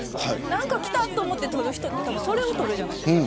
何か来たと思って撮る人ってそれを撮るじゃないですか。